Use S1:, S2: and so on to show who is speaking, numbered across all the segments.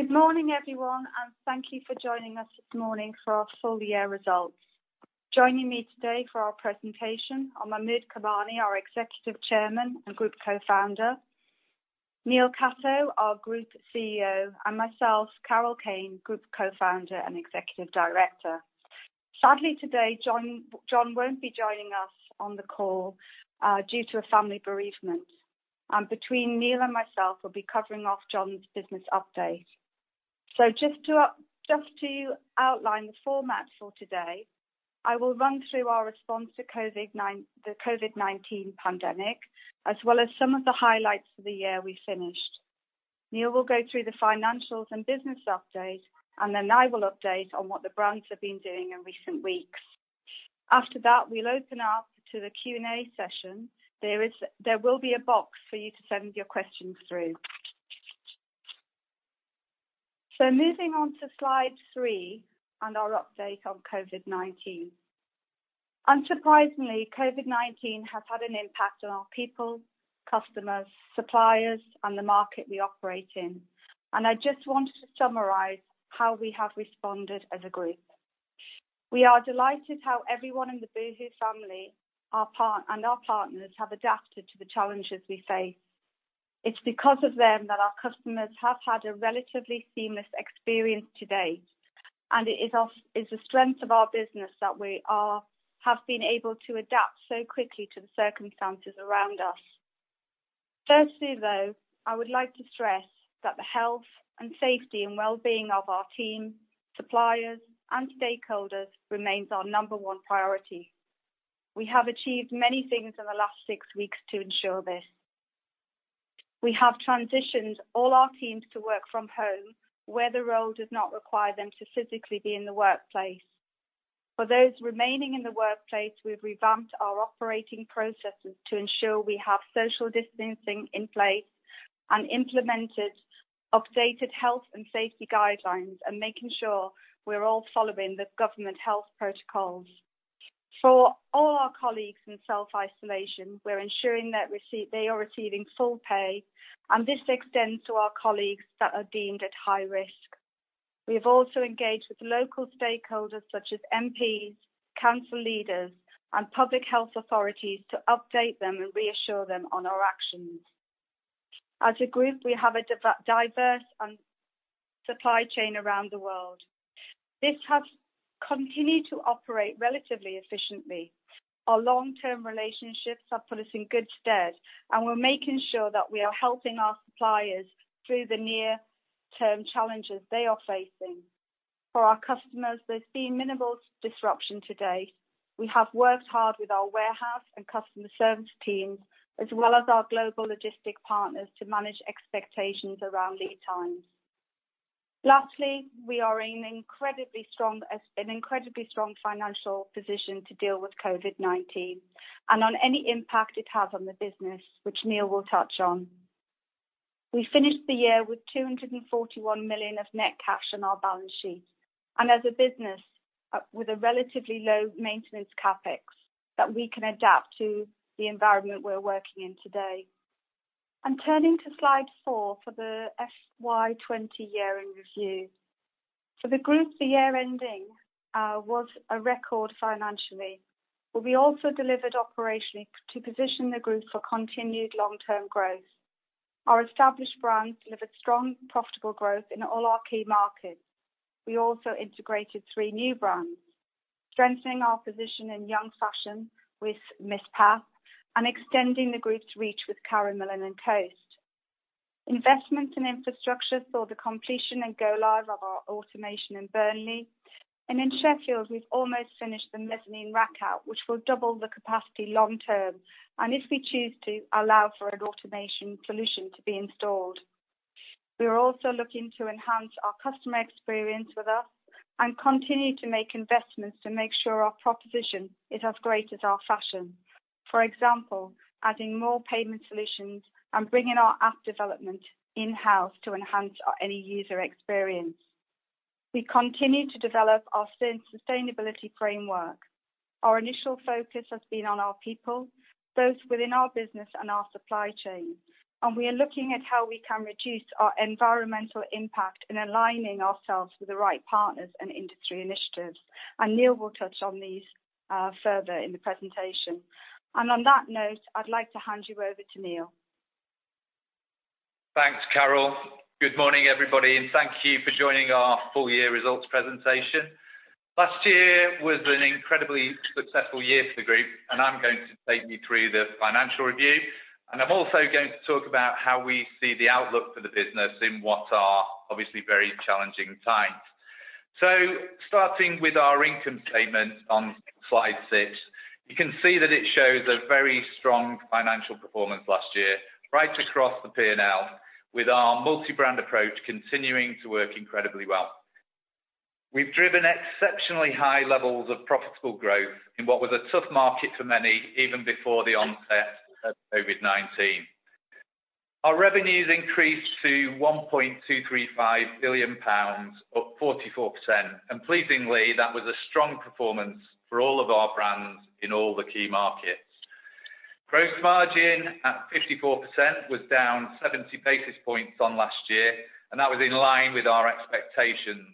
S1: Good morning, everyone, and thank you for joining us this morning for our full-year results. Joining me today for our presentation are Mahmud Kamani, our Executive Chairman and Group Co-founder, Neil Catto, our Group CFO, and myself, Carol Kane, Group Co-founder and Executive Director. Sadly, today, John won't be joining us on the call due to a family bereavement, and between Neil and myself, we'll be covering off John's business update. So just to outline the format for today, I will run through our response to the COVID-19 pandemic, as well as some of the highlights for the year we finished. Neil will go through the financials and business update, and then I will update on what the brands have been doing in recent weeks. After that, we'll open up to the Q&A session. There will be a box for you to send your questions through. So moving on to slide three and our update on COVID-19. Unsurprisingly, COVID-19 has had an impact on our people, customers, suppliers, and the market we operate in, and I just want to summarize how we have responded as a group. We are delighted how everyone in the boohoo family and our partners have adapted to the challenges we face. It's because of them that our customers have had a relatively seamless experience today, and it is the strength of our business that we have been able to adapt so quickly to the circumstances around us. Firstly, though, I would like to stress that the health and safety and well-being of our team, suppliers, and stakeholders remains our number one priority. We have achieved many things in the last six weeks to ensure this. We have transitioned all our teams to work from home, where the role does not require them to physically be in the workplace. For those remaining in the workplace, we've revamped our operating processes to ensure we have social distancing in place and implemented updated health and safety guidelines, making sure we're all following the government health protocols. For all our colleagues in self-isolation, we're ensuring that they are receiving full pay, and this extends to our colleagues that are deemed at high risk. We have also engaged with local stakeholders such as MPs, council leaders, and public health authorities to update them and reassure them on our actions. As a group, we have a diverse supply chain around the world. This has continued to operate relatively efficiently. Our long-term relationships have put us in good stead, and we're making sure that we are helping our suppliers through the near-term challenges they are facing. For our customers, there's been minimal disruption today. We have worked hard with our warehouse and customer service teams, as well as our global logistics partners, to manage expectations around lead times. Lastly, we are in an incredibly strong financial position to deal with COVID-19 and on any impact it has on the business, which Neil will touch on. We finished the year with 241 million of net cash on our balance sheet and as a business with a relatively low maintenance CapEx that we can adapt to the environment we're working in today. Turning to slide 4 for the FY 2020 year in review, for the group, the year ending was a record financially, but we also delivered operationally to position the group for continued long-term growth. Our established brands delivered strong, profitable growth in all our key markets. We also integrated 3 new brands, strengthening our position in young fashion with MissPap and extending the group's reach with Karen Millen and Coast. Investments in infrastructure saw the completion and go-live of our automation in Burnley, and in Sheffield, we've almost finished the mezzanine rack out, which will double the capacity long-term and, if we choose to, allow for an automation solution to be installed. We are also looking to enhance our customer experience with us and continue to make investments to make sure our proposition is as great as our fashion. For example, adding more payment solutions and bringing our app development in-house to enhance any user experience. We continue to develop our sustainability framework. Our initial focus has been on our people, both within our business and our supply chain, and we are looking at how we can reduce our environmental impact in aligning ourselves with the right partners and industry initiatives. Neil will touch on these further in the presentation. On that note, I'd like to hand you over to Neil.
S2: Thanks, Carol. Good morning, everybody, and thank you for joining our full-year results presentation. Last year was an incredibly successful year for the group, and I'm going to take you through the financial review, and I'm also going to talk about how we see the outlook for the business in what are obviously very challenging times. Starting with our income statement on slide six, you can see that it shows a very strong financial performance last year, right across the P&L, with our multi-brand approach continuing to work incredibly well. We've driven exceptionally high levels of profitable growth in what was a tough market for many even before the onset of COVID-19. Our revenues increased to 1.235 billion pounds, up 44%, and pleasingly, that was a strong performance for all of our brands in all the key markets. Gross margin at 54% was down 70 basis points on last year, and that was in line with our expectations,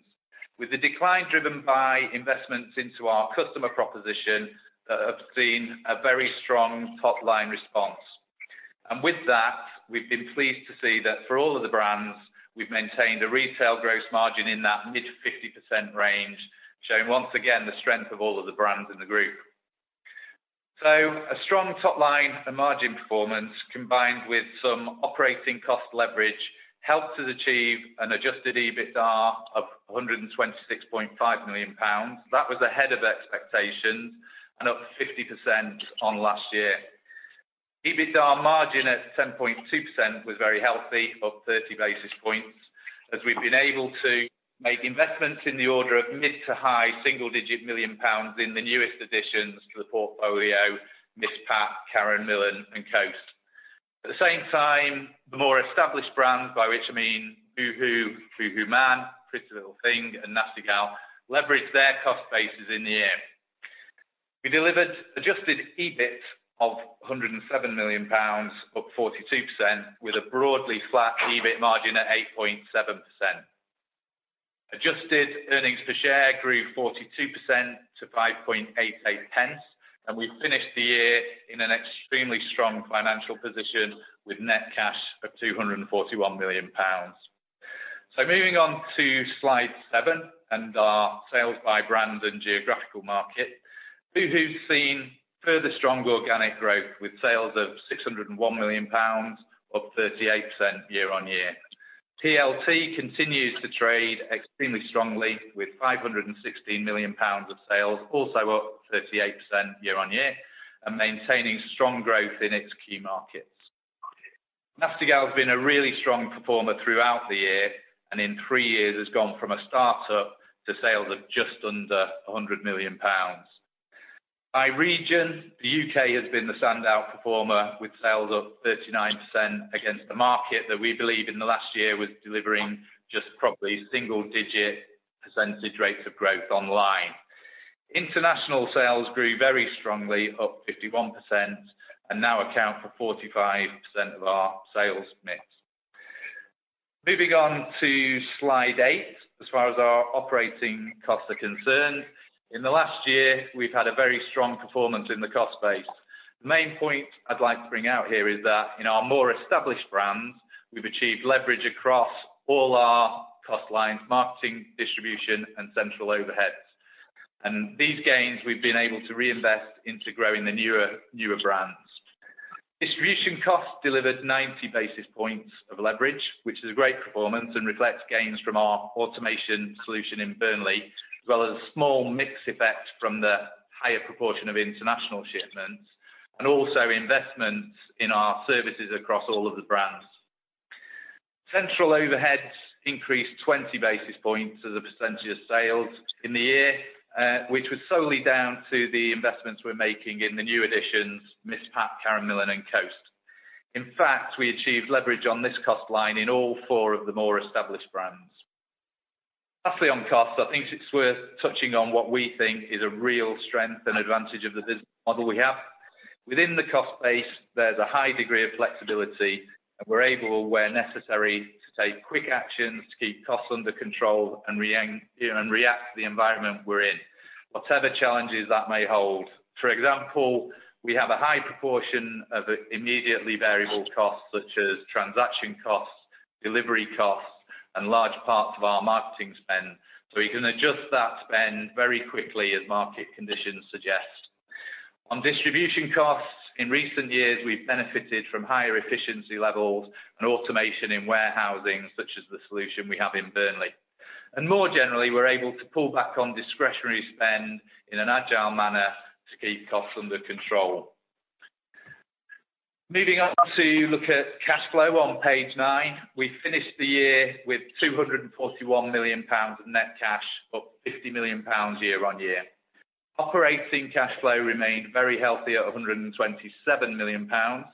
S2: with the decline driven by investments into our customer proposition that have seen a very strong top-line response. And with that, we've been pleased to see that for all of the brands, we've maintained a retail gross margin in that mid-50% range, showing once again the strength of all of the brands in the group. So a strong top-line and margin performance combined with some operating cost leverage helped us achieve an adjusted EBITDA of 126.5 million pounds. That was ahead of expectations and up 50% on last year. EBITDA margin at 10.2% was very healthy, up 30 basis points, as we've been able to make investments in the order of mid- to high single-digit million GBP in the newest additions to the portfolio: MissPap, Karen Millen, and Coast. At the same time, the more established brands, by which I mean boohoo, boohooMAN, PrettyLittleThing, and Nasty Gal, leveraged their cost bases in the year. We delivered adjusted EBIT of 107 million pounds, up 42%, with a broadly flat EBIT margin at 8.7%. Adjusted earnings per share grew 42% to 0.0588, and we finished the year in an extremely strong financial position with net cash of 241 million pounds. So moving on to slide seven and our sales by brand and geographical market, boohoo's seen further strong organic growth with sales of 601 million pounds, up 38% year-over-year. PLT continues to trade extremely strongly with 516 million pounds of sales, also up 38% year-over-year, and maintaining strong growth in its key markets. Nasty Gal's been a really strong performer throughout the year and in three years has gone from a startup to sales of just under 100 million pounds. By region, the UK has been the standout performer with sales of 39% against a market that we believe in the last year was delivering just probably single-digit percentage rates of growth online. International sales grew very strongly, up 51%, and now account for 45% of our sales mix. Moving on to slide eight, as far as our operating costs are concerned, in the last year, we've had a very strong performance in the cost space. The main point I'd like to bring out here is that in our more established brands, we've achieved leverage across all our cost lines: marketing, distribution, and central overheads. And these gains, we've been able to reinvest into growing the newer brands. Distribution costs delivered 90 basis points of leverage, which is a great performance and reflects gains from our automation solution in Burnley, as well as a small mix effect from the higher proportion of international shipments and also investments in our services across all of the brands. Central overheads increased 20 basis points as a percentage of sales in the year, which was solely down to the investments we're making in the new additions: MissPap, Karen Millen, and Coast. In fact, we achieved leverage on this cost line in all four of the more established brands. Lastly, on costs, I think it's worth touching on what we think is a real strength and advantage of the business model we have. Within the cost base, there's a high degree of flexibility, and we're able, where necessary, to take quick actions to keep costs under control and react to the environment we're in, whatever challenges that may hold. For example, we have a high proportion of immediately variable costs such as transaction costs, delivery costs, and large parts of our marketing spend, so we can adjust that spend very quickly as market conditions suggest. On distribution costs, in recent years, we've benefited from higher efficiency levels and automation in warehousing, such as the solution we have in Burnley. And more generally, we're able to pull back on discretionary spend in an agile manner to keep costs under control. Moving on to look at cash flow on page nine, we finished the year with 241 million pounds of net cash, up 50 million pounds year on year. Operating cash flow remained very healthy at 127 million pounds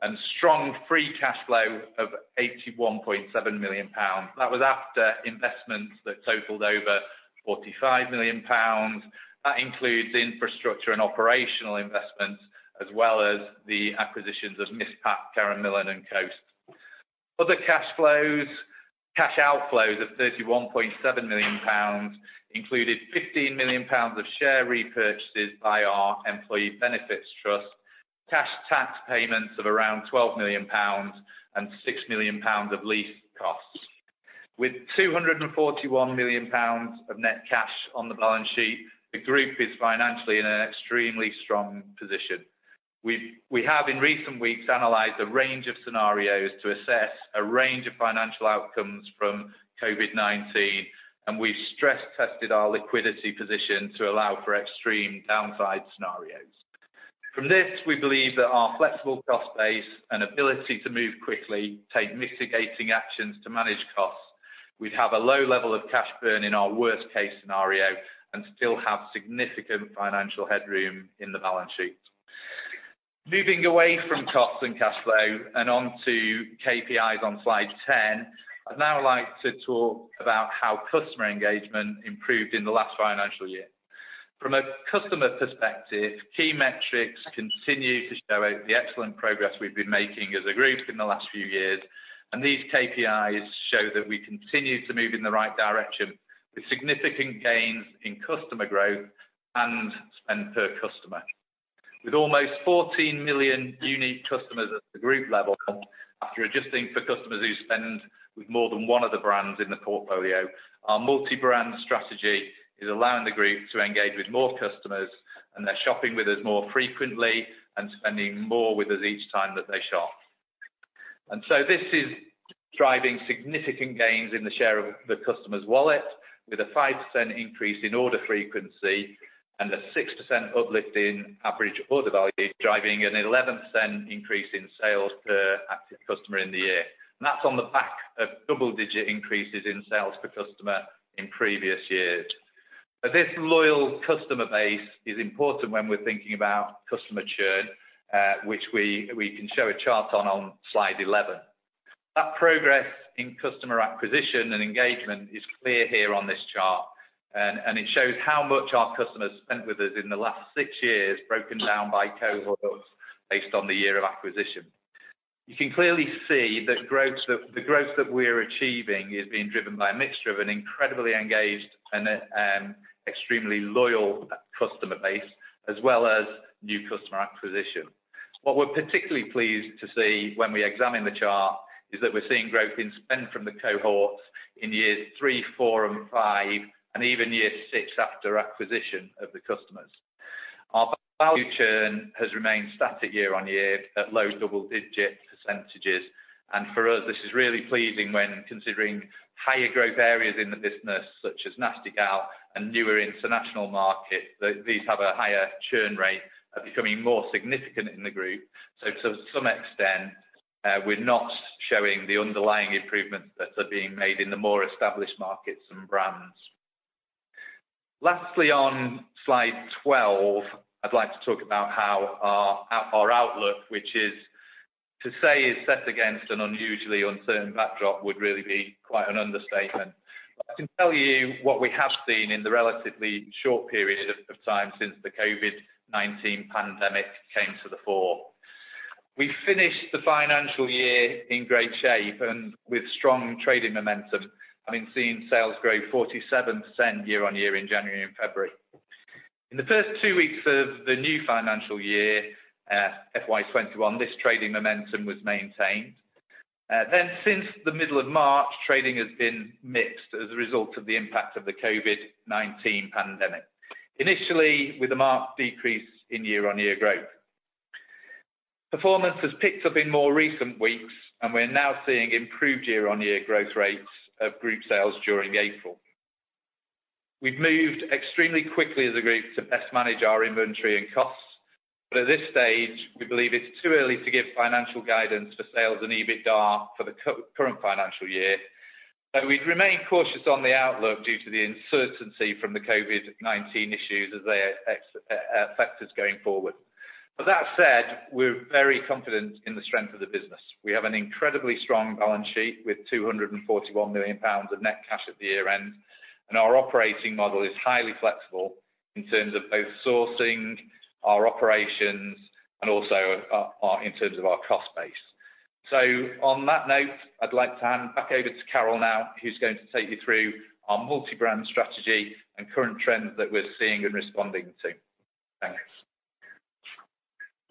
S2: and strong free cash flow of 81.7 million pounds. That was after investments that totaled over 45 million pounds. That includes infrastructure and operational investments, as well as the acquisitions of MissPap, Karen Millen, and Coast. Other cash outflows of 31.7 million pounds included 15 million pounds of share repurchases by our Employee Benefits Trust, cash tax payments of around 12 million pounds, and 6 million pounds of lease costs. With 241 million pounds of net cash on the balance sheet, the group is financially in an extremely strong position. We have, in recent weeks, analyzed a range of scenarios to assess a range of financial outcomes from COVID-19, and we've stress-tested our liquidity position to allow for extreme downside scenarios. From this, we believe that our flexible cost base and ability to move quickly take mitigating actions to manage costs. We'd have a low level of cash burn in our worst-case scenario and still have significant financial headroom in the balance sheet. Moving away from costs and cash flow and on to KPIs on slide 10, I'd now like to talk about how customer engagement improved in the last financial year. From a customer perspective, key metrics continue to show the excellent progress we've been making as a group in the last few years, and these KPIs show that we continue to move in the right direction with significant gains in customer growth and spend per customer. With almost 14 million unique customers at the group level, after adjusting for customers who spend with more than one of the brands in the portfolio, our multi-brand strategy is allowing the group to engage with more customers, and they're shopping with us more frequently and spending more with us each time that they shop. And so this is driving significant gains in the share of the customer's wallet, with a 5% increase in order frequency and a 6% uplift in average order value, driving an 11% increase in sales per active customer in the year. And that's on the back of double-digit increases in sales per customer in previous years. This loyal customer base is important when we're thinking about customer churn, which we can show a chart on slide 11. That progress in customer acquisition and engagement is clear here on this chart, and it shows how much our customers spent with us in the last 6 years, broken down by cohorts based on the year of acquisition. You can clearly see that the growth that we're achieving is being driven by a mixture of an incredibly engaged and extremely loyal customer base, as well as new customer acquisition. What we're particularly pleased to see when we examine the chart is that we're seeing growth in spend from the cohorts in years three, four, and five, and even year six after acquisition of the customers. Our value churn has remained static year-on-year at low double-digit percentages, and for us, this is really pleasing when considering higher growth areas in the business, such as Nasty Gal and newer international markets, that these have a higher churn rate of becoming more significant in the group. So to some extent, we're not showing the underlying improvements that are being made in the more established markets and brands. Lastly, on slide 12, I'd like to talk about how our outlook, which is to say is set against an unusually uncertain backdrop, would really be quite an understatement. I can tell you what we have seen in the relatively short period of time since the COVID-19 pandemic came to the fore. We finished the financial year in great shape and with strong trading momentum. I've been seeing sales grow 47% year-on-year in January and February. In the first two weeks of the new financial year, FY 2021, this trading momentum was maintained. Then, since the middle of March, trading has been mixed as a result of the impact of the COVID-19 pandemic, initially with a marked decrease in year-over-year growth. Performance has picked up in more recent weeks, and we're now seeing improved year-over-year growth rates of group sales during April. We've moved extremely quickly as a group to best manage our inventory and costs, but at this stage, we believe it's too early to give financial guidance for sales and EBITDA for the current financial year. So we'd remain cautious on the outlook due to the uncertainty from the COVID-19 issues as they affect us going forward. With that said, we're very confident in the strength of the business. We have an incredibly strong balance sheet with 241 million pounds of net cash at the year-end, and our operating model is highly flexible in terms of both sourcing our operations and also in terms of our cost base. So on that note, I'd like to hand back over to Carol now, who's going to take you through our multi-brand strategy and current trends that we're seeing and responding to. Thanks.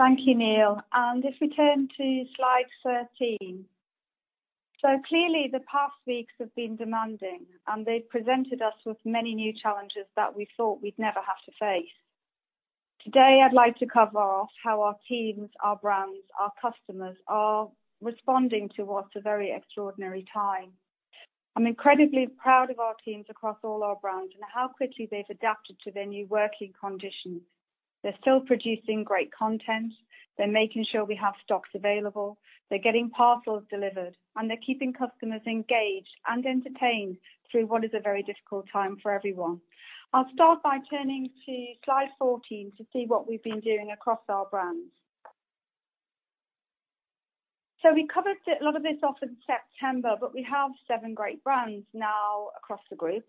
S1: Thank you, Neil. If we turn to slide 13, so clearly the past weeks have been demanding, and they've presented us with many new challenges that we thought we'd never have to face. Today, I'd like to cover off how our teams, our brands, our customers are responding to what's a very extraordinary time. I'm incredibly proud of our teams across all our brands and how quickly they've adapted to their new working conditions. They're still producing great content. They're making sure we have stocks available. They're getting parcels delivered, and they're keeping customers engaged and entertained through what is a very difficult time for everyone. I'll start by turning to slide 14 to see what we've been doing across our brands. So we covered a lot of this off in September, but we have seven great brands now across the group.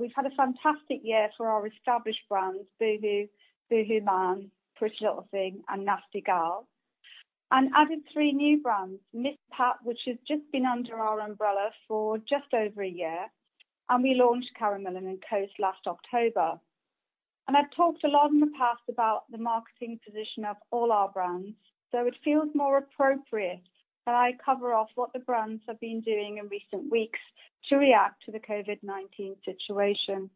S1: We've had a fantastic year for our established brands: boohoo, boohooMAN, PrettyLittleThing, and Nasty Gal, and added three new brands: MissPap, which has just been under our umbrella for just over a year, and we launched Karen Millen and Coast last October. I've talked a lot in the past about the marketing position of all our brands, so it feels more appropriate that I cover off what the brands have been doing in recent weeks to react to the COVID-19 situation.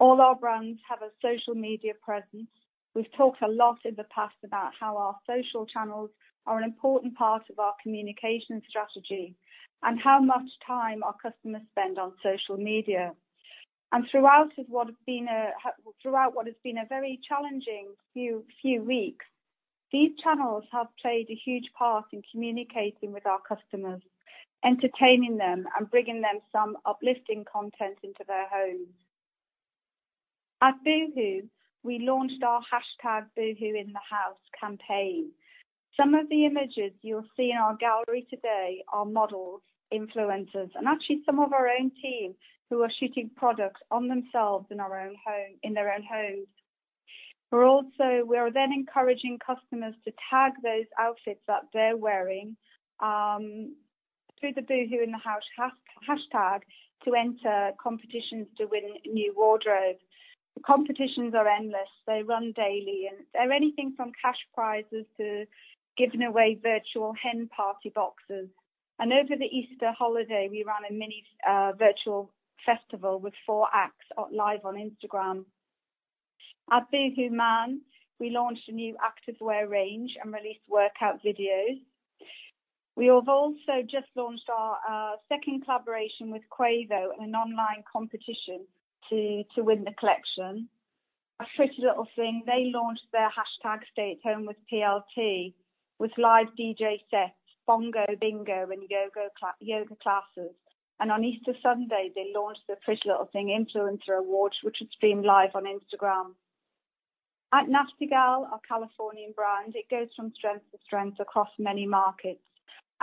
S1: All our brands have a social media presence. We've talked a lot in the past about how our social channels are an important part of our communication strategy and how much time our customers spend on social media. Throughout what has been a very challenging few weeks, these channels have played a huge part in communicating with our customers, entertaining them, and bringing them some uplifting content into their homes. At boohoo, we launched our hashtag #boohoointhehouse campaign. Some of the images you'll see in our gallery today are models, influencers, and actually some of our own team who are shooting products on themselves in their own homes. We're also then encouraging customers to tag those outfits that they're wearing through the boohoointhehouse hashtag to enter competitions to win new wardrobes. The competitions are endless. They run daily, and they're anything from cash prizes to giving away virtual hen party boxes. Over the Easter holiday, we ran a mini virtual festival with four acts live on Instagram. At boohooMAN, we launched a new activewear range and released workout videos. We have also just launched our second collaboration with Quavo in an online competition to win the collection. At PrettyLittleThing, they launched their #stayathomewithplt with live DJ sets, Bongo's Bingo, and yoga classes. On Easter Sunday, they launched the PrettyLittleThing influencer awards, which was streamed live on Instagram. At Nasty Gal, our Californian brand, it goes from strength to strength across many markets.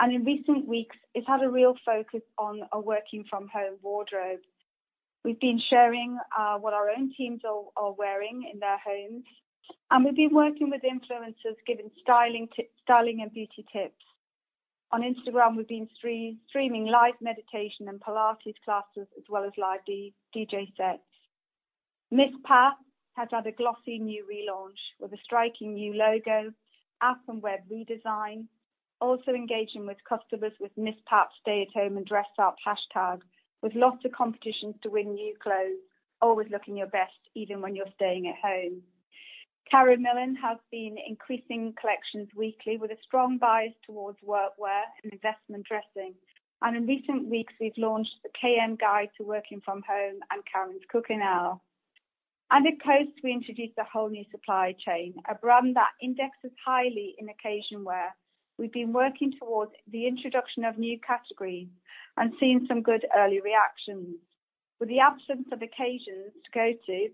S1: In recent weeks, it's had a real focus on a working-from-home wardrobe. We've been sharing what our own teams are wearing in their homes, and we've been working with influencers, giving styling and beauty tips. On Instagram, we've been streaming live meditation and Pilates classes, as well as live DJ sets. MissPap has had a glossy new relaunch with a striking new logo, app and web redesign. Also engaging with customers with MissPap stay-at-home and dress-up hashtag, with lots of competitions to win new clothes, always looking your best even when you're staying at home. Karen Millen has been increasing collections weekly with a strong bias towards workwear and investment dressing. In recent weeks, we've launched the KM guide to working from home and Karen's cooking hour. At Coast, we introduced a whole new supply chain, a brand that indexes highly in occasion wear. We've been working towards the introduction of new categories and seeing some good early reactions. With the absence of occasions to go to,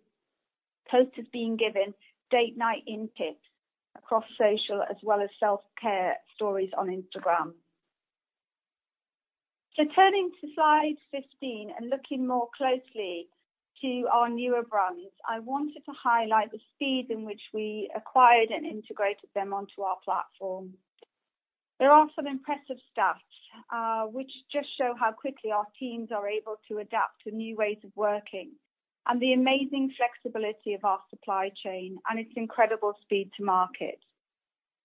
S1: Coast has been giving date-night in tips across social as well as self-care stories on Instagram. Turning to slide 15 and looking more closely to our newer brands, I wanted to highlight the speed in which we acquired and integrated them onto our platform. There are some impressive stats which just show how quickly our teams are able to adapt to new ways of working and the amazing flexibility of our supply chain and its incredible speed to market.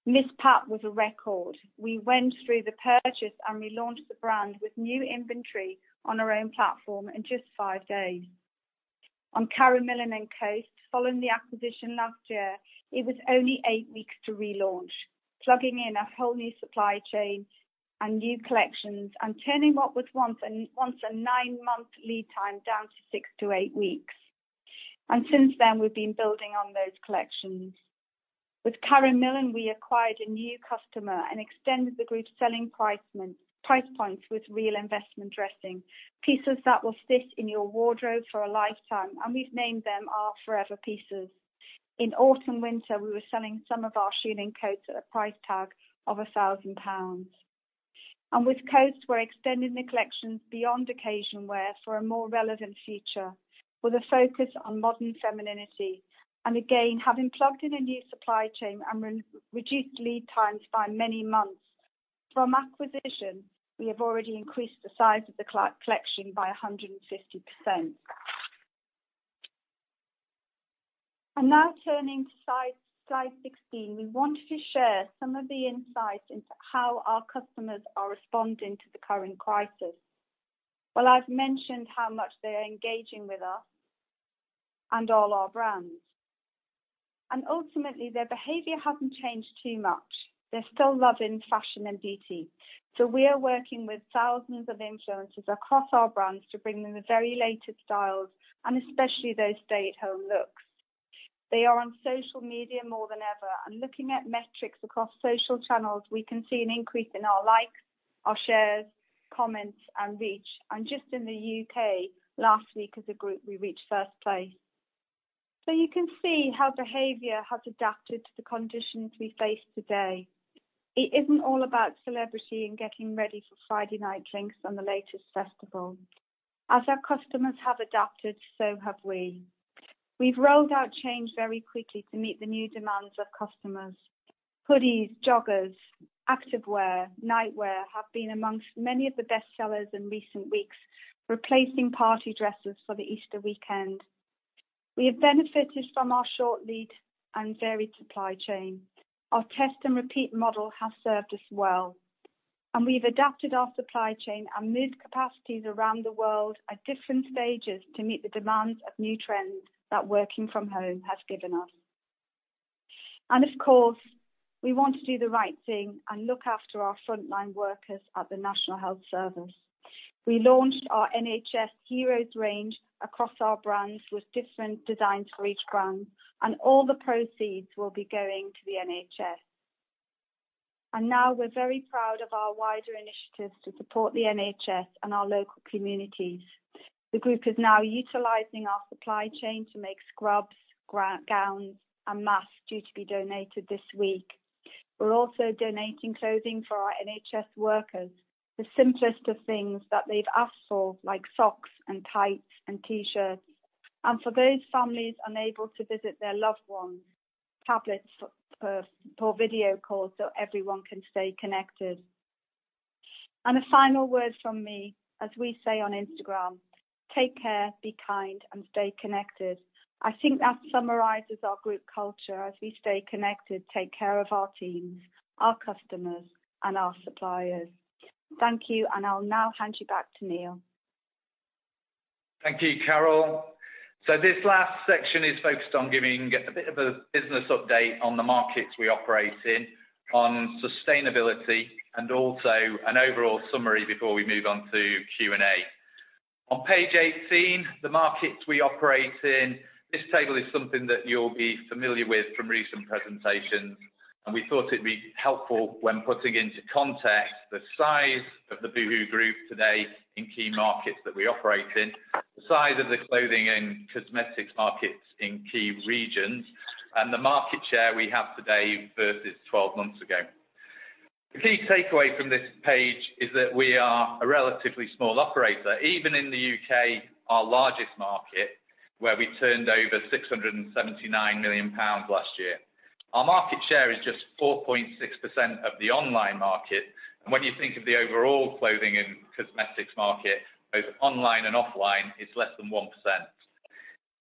S1: MissPap was a record. We went through the purchase and relaunched the brand with new inventory on our own platform in just five days. On Karen Millen and Coast, following the acquisition last year, it was only eight weeks to relaunch, plugging in a whole new supply chain and new collections and turning what was once a nine-month lead time down to six to eight weeks. Since then, we've been building on those collections. With Karen Millen, we acquired a new customer and extended the group's selling price points with real investment dressing, pieces that will sit in your wardrobe for a lifetime, and we've named them our forever pieces. In autumn/winter, we were selling some of our shearling coats at a price tag of 1,000 pounds. With Coast, we're extending the collections beyond occasion wear for a more relevant future with a focus on modern femininity. And again, having plugged in a new supply chain and reduced lead times by many months from acquisition, we have already increased the size of the collection by 150%. And now turning to slide 16, we wanted to share some of the insights into how our customers are responding to the current crisis. Well, I've mentioned how much they're engaging with us and all our brands. And ultimately, their behavior hasn't changed too much. They're still loving fashion and beauty. So we are working with thousands of influencers across our brands to bring them the very latest styles, and especially those stay-at-home looks. They are on social media more than ever. And looking at metrics across social channels, we can see an increase in our likes, our shares, comments, and reach. And just in the U.K., last week as a group, we reached first place. So you can see how behavior has adapted to the conditions we face today. It isn't all about celebrity and getting ready for Friday night drinks on the latest festival. As our customers have adapted, so have we. We've rolled out change very quickly to meet the new demands of customers. Hoodies, joggers, active wear, nightwear have been amongst many of the best sellers in recent weeks, replacing party dresses for the Easter weekend. We have benefited from our short lead and varied supply chain. Our test and repeat model has served us well. And we've adapted our supply chain and moved capacities around the world at different stages to meet the demands of new trends that working from home has given us. And of course, we want to do the right thing and look after our frontline workers at the National Health Service. We launched our NHS Heroes range across our brands with different designs for each brand, and all the proceeds will be going to the NHS. Now we're very proud of our wider initiatives to support the NHS and our local communities. The group is now utilizing our supply chain to make scrubs, gowns, and masks due to be donated this week. We're also donating clothing for our NHS workers, the simplest of things that they've asked for, like socks and tights and T-shirts. For those families unable to visit their loved ones, tablets for video calls so everyone can stay connected. A final word from me, as we say on Instagram, take care, be kind, and stay connected. I think that summarizes our group culture as we stay connected, take care of our teams, our customers, and our suppliers. Thank you, and I'll now hand you back to Neil.
S2: Thank you, Carol. This last section is focused on giving a bit of a business update on the markets we operate in, on sustainability, and also an overall summary before we move on to Q&A. On page 18, the markets we operate in, this table is something that you'll be familiar with from recent presentations, and we thought it'd be helpful when putting into context the size of the boohoo group today in key markets that we operate in, the size of the clothing and cosmetics markets in key regions, and the market share we have today versus 12 months ago. The key takeaway from this page is that we are a relatively small operator, even in the U.K., our largest market, where we turned over 679 million pounds last year. Our market share is just 4.6% of the online market. When you think of the overall clothing and cosmetics market, both online and offline, it's less than 1%.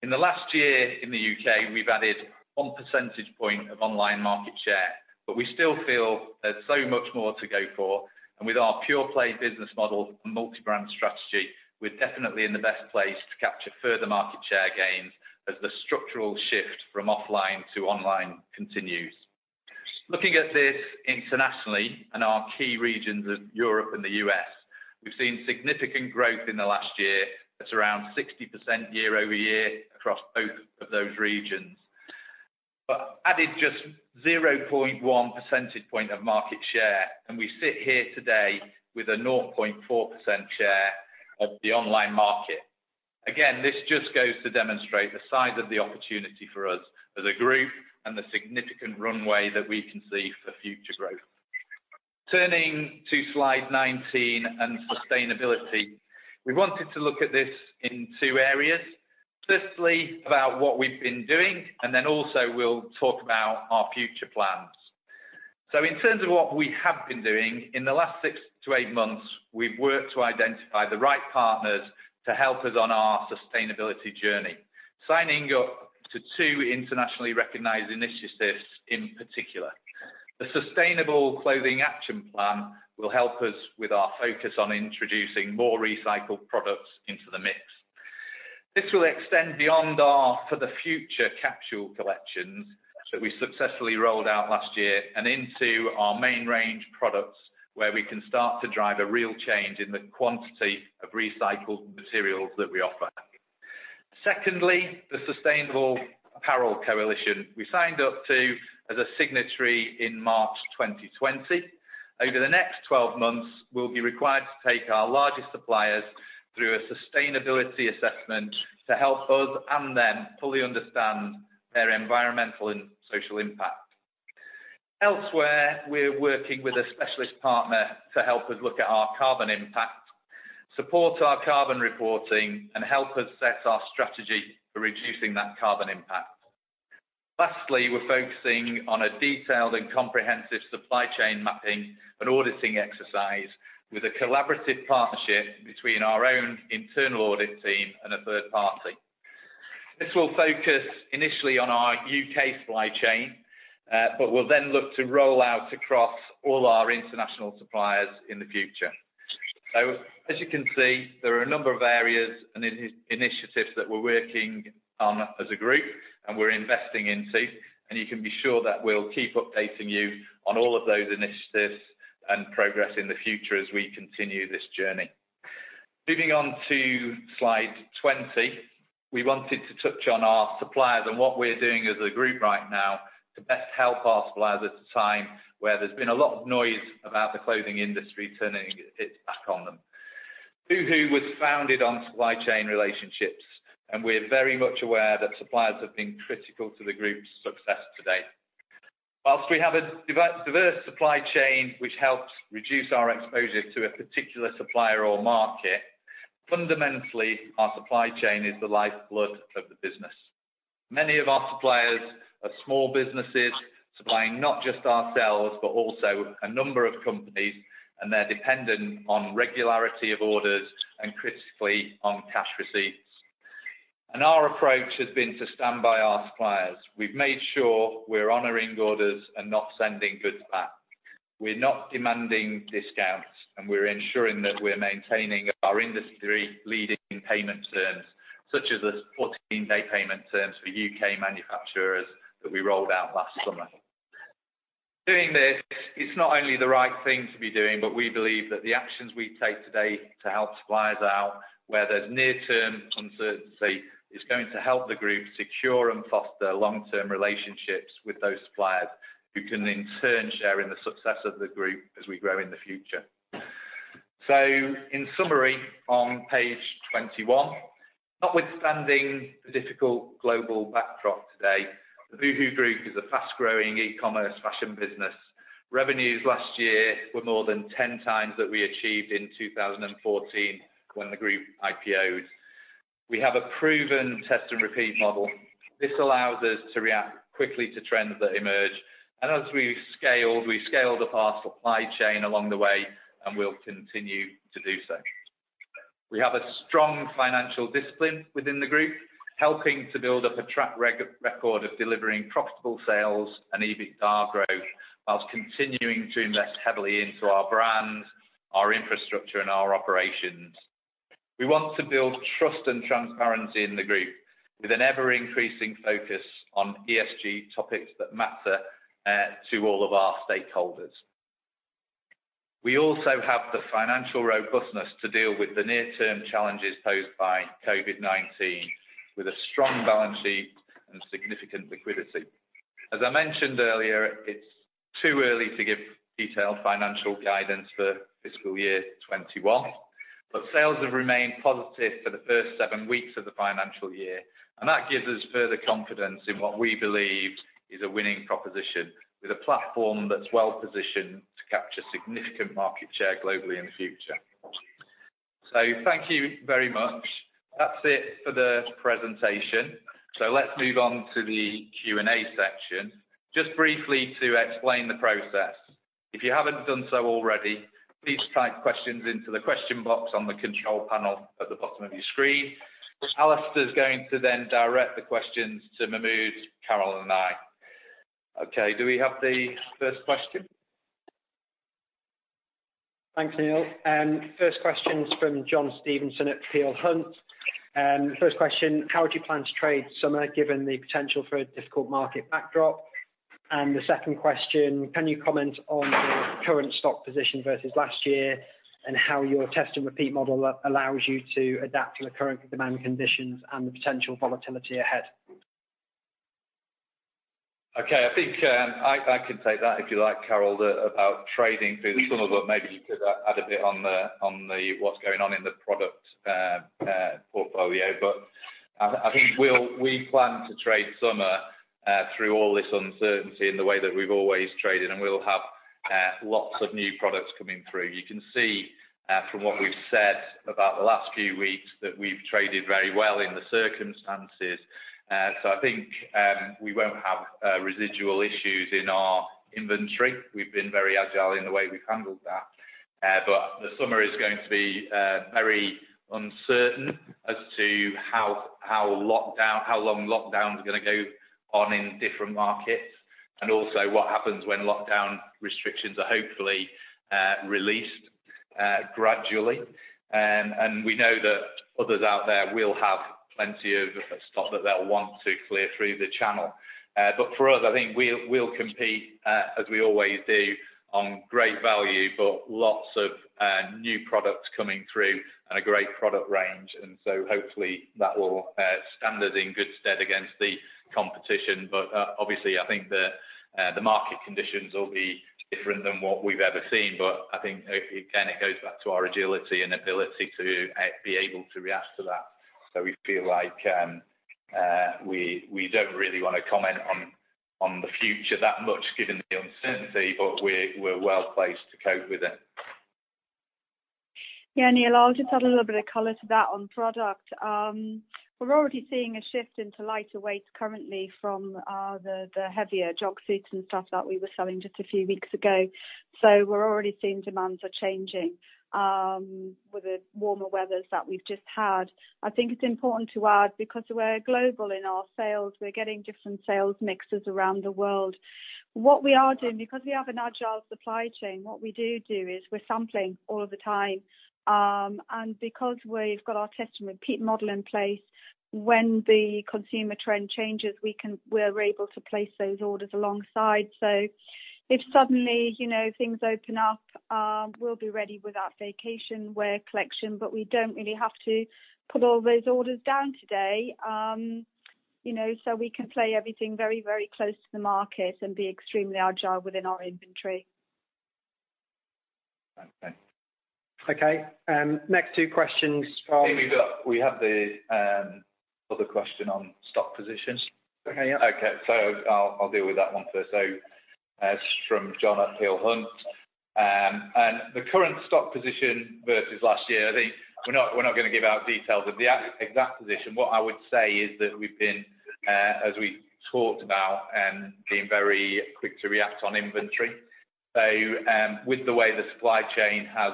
S2: In the last year in the UK, we've added one percentage point of online market share, but we still feel there's so much more to go for. With our pure-play business model and multi-brand strategy, we're definitely in the best place to capture further market share gains as the structural shift from offline to online continues. Looking at this internationally and our key regions of Europe and the U.S., we've seen significant growth in the last year at around 60% year-over-year across both of those regions. But added just 0.1 percentage point of market share, and we sit here today with a 0.4% share of the online market. Again, this just goes to demonstrate the size of the opportunity for us as a group and the significant runway that we can see for future growth. Turning to slide 19 and sustainability, we wanted to look at this in two areas. Firstly, about what we've been doing, and then also we'll talk about our future plans. So in terms of what we have been doing, in the last six to eight months, we've worked to identify the right partners to help us on our sustainability journey, signing up to two internationally recognized initiatives in particular. The Sustainable Clothing Action Plan will help us with our focus on introducing more recycled products into the mix. This will extend beyond our For the Future capsule collections that we successfully rolled out last year and into our main range products, where we can start to drive a real change in the quantity of recycled materials that we offer. Secondly, the Sustainable Apparel Coalition, we signed up to as a signatory in March 2020. Over the next 12 months, we'll be required to take our largest suppliers through a sustainability assessment to help us and them fully understand their environmental and social impact. Elsewhere, we're working with a specialist partner to help us look at our carbon impact, support our carbon reporting, and help us set our strategy for reducing that carbon impact. Lastly, we're focusing on a detailed and comprehensive supply chain mapping and auditing exercise with a collaborative partnership between our own internal audit team and a third party. This will focus initially on our U.K. supply chain, but we'll then look to roll out across all our international suppliers in the future. So as you can see, there are a number of areas and initiatives that we're working on as a group and we're investing into, and you can be sure that we'll keep updating you on all of those initiatives and progress in the future as we continue this journey. Moving on to slide 20, we wanted to touch on our suppliers and what we're doing as a group right now to best help our suppliers at a time where there's been a lot of noise about the clothing industry turning its back on them. boohoo was founded on supply chain relationships, and we're very much aware that suppliers have been critical to the group's success today. While we have a diverse supply chain, which helps reduce our exposure to a particular supplier or market, fundamentally, our supply chain is the lifeblood of the business. Many of our suppliers are small businesses supplying not just ourselves, but also a number of companies, and they're dependent on regularity of orders and critically on cash receipts. Our approach has been to stand by our suppliers. We've made sure we're honoring orders and not sending goods back. We're not demanding discounts, and we're ensuring that we're maintaining our industry-leading payment terms, such as the 14-day payment terms for U.K. manufacturers that we rolled out last summer. Doing this, it's not only the right thing to be doing, but we believe that the actions we take today to help suppliers out where there's near-term uncertainty is going to help the group secure and foster long-term relationships with those suppliers who can in turn share in the success of the group as we grow in the future. So in summary on page 21, notwithstanding the difficult global backdrop today, the boohoo group is a fast-growing e-commerce fashion business. Revenues last year were more than 10x that we achieved in 2014 when the group IPO'd. We have a proven test and repeat model. This allows us to react quickly to trends that emerge. And as we've scaled, we've scaled up our supply chain along the way, and we'll continue to do so. We have a strong financial discipline within the group, helping to build up a track record of delivering profitable sales and even our growth while continuing to invest heavily into our brands, our infrastructure, and our operations. We want to build trust and transparency in the group with an ever-increasing focus on ESG topics that matter to all of our stakeholders. We also have the financial robustness to deal with the near-term challenges posed by COVID-19 with a strong balance sheet and significant liquidity. As I mentioned earlier, it's too early to give detailed financial guidance for fiscal year 2021, but sales have remained positive for the first seven weeks of the financial year, and that gives us further confidence in what we believe is a winning proposition with a platform that's well-positioned to capture significant market share globally in the future. So thank you very much. That's it for the presentation. So let's move on to the Q&A section. Just briefly to explain the process, if you haven't done so already, please type questions into the question box on the control panel at the bottom of your screen. Alistair's going to then direct the questions to Mahmud, Carol, and I. Okay, do we have the first question?
S3: Thanks, Neil. First question is from John Stevenson at Peel Hunt. First question, how would you plan to trade summer given the potential for a difficult market backdrop? And the second question, can you comment on your current stock position versus last year and how your test and repeat model allows you to adapt to the current demand conditions and the potential volatility ahead?
S2: Okay, I think I can take that if you like, Carol, about trading through the summer, but maybe you could add a bit on what's going on in the product portfolio. But I think we plan to trade through the summer through all this uncertainty in the way that we've always traded, and we'll have lots of new products coming through. You can see from what we've said about the last few weeks that we've traded very well in the circumstances. So I think we won't have residual issues in our inventory. We've been very agile in the way we've handled that. But the summer is going to be very uncertain as to how long lockdowns are going to go on in different markets and also what happens when lockdown restrictions are hopefully released gradually. We know that others out there will have plenty of stock that they'll want to clear through the channel. But for us, I think we'll compete, as we always do, on great value, but lots of new products coming through and a great product range. So hopefully that will stand us in good stead against the competition. But obviously, I think the market conditions will be different than what we've ever seen. But I think, again, it goes back to our agility and ability to be able to react to that. So we feel like we don't really want to comment on the future that much given the uncertainty, but we're well placed to cope with it.
S1: Yeah, Neil, I'll just add a little bit of color to that on product. We're already seeing a shift into lighter weights currently from the heavier jog suits and stuff that we were selling just a few weeks ago. So we're already seeing demands are changing with the warmer weathers that we've just had. I think it's important to add because we're global in our sales. We're getting different sales mixes around the world. What we are doing, because we have an agile supply chain, what we do do is we're sampling all of the time. And because we've got our test and repeat model in place, when the consumer trend changes, we're able to place those orders alongside. So if suddenly things open up, we'll be ready with our vacation wear collection, but we don't really have to put all those orders down today. So we can play everything very, very close to the market and be extremely agile within our inventory.
S3: Okay. Next, two questions from Neil.
S2: We have the other question on stock positions. Okay, yeah. Okay, so I'll deal with that one first. So it's from John at Peel Hunt. And the current stock position versus last year, I think we're not going to give out details of the exact position. What I would say is that we've been, as we talked about, being very quick to react on inventory. So with the way the supply chain has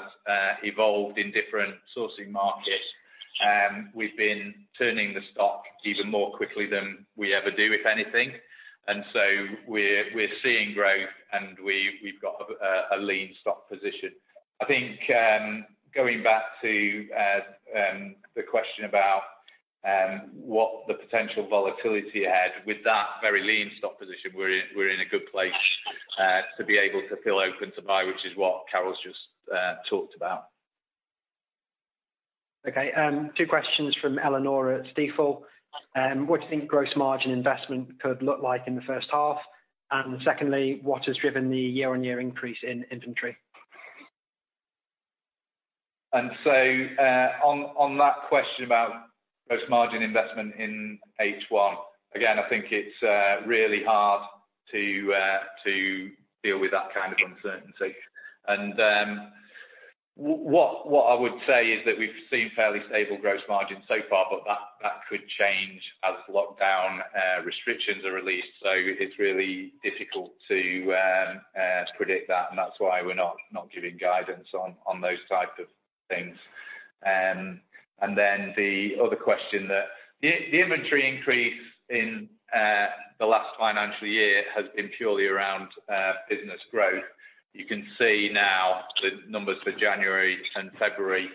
S2: evolved in different sourcing markets, we've been turning the stock even more quickly than we ever do, if anything. And so we're seeing growth, and we've got a lean stock position. I think going back to the question about what the potential volatility ahead, with that very lean stock position, we're in a good place to be able to fill open to buy, which is what Carol's just talked about.
S3: Okay, two questions from Eleonora at Stifel. What do you think gross margin investment could look like in the first half? And secondly, what has driven the year-on-year increase in inventory?
S2: On that question about gross margin investment in H1, again, I think it's really hard to deal with that kind of uncertainty. What I would say is that we've seen fairly stable gross margins so far, but that could change as lockdown restrictions are released. It's really difficult to predict that, and that's why we're not giving guidance on those types of things. The other question that the inventory increase in the last financial year has been purely around business growth. You can see now the numbers for January and February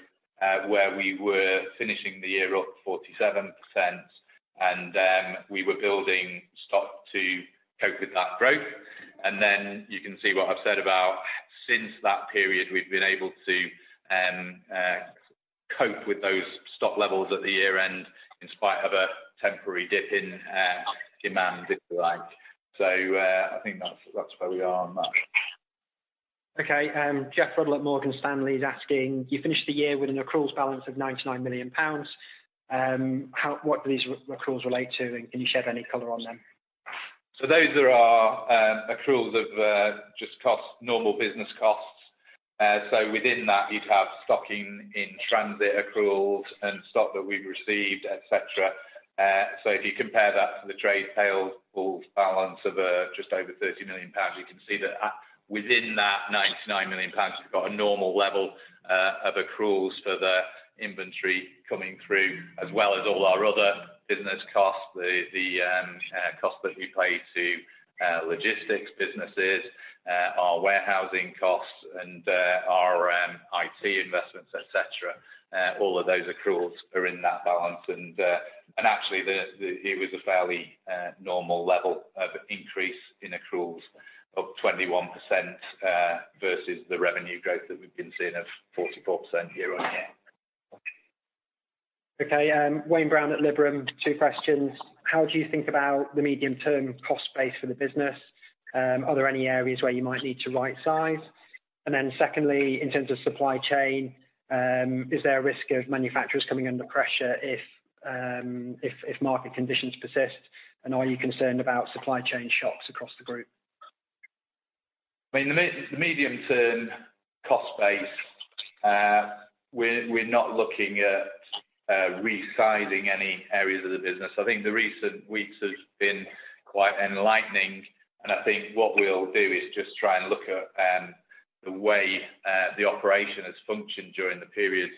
S2: where we were finishing the year up 47%, and we were building stock to cope with that growth. Then you can see what I've said about since that period, we've been able to cope with those stock levels at the year-end in spite of a temporary dip in demand, if you like. So I think that's where we are on that.
S3: Okay, Geoff Ruddell at Morgan Stanley is asking, you finished the year with an accruals balance of 99 million pounds. What do these accruals relate to, and can you shed any color on them?
S2: So those are our accruals of just normal business costs. So within that, you'd have stock in transit accruals and stock that we've received, etc. If you compare that to the trade payables balance of just over 30 million pounds, you can see that within that 99 million pounds, you've got a normal level of accruals for the inventory coming through, as well as all our other business costs, the cost that we pay to logistics businesses, our warehousing costs, and our IT investments, etc. All of those accruals are in that balance. And actually, it was a fairly normal level of increase in accruals of 21% versus the revenue growth that we've been seeing of 44% year-on-year.
S3: Okay, Wayne Brown at Liberum, two questions. How do you think about the medium-term cost base for the business? Are there any areas where you might need to right-size? And then secondly, in terms of supply chain, is there a risk of manufacturers coming under pressure if market conditions persist? Are you concerned about supply chain shocks across the group?
S2: I mean, the medium-term cost base, we're not looking at resizing any areas of the business. I think the recent weeks have been quite enlightening, and I think what we'll do is just try and look at the way the operation has functioned during the period.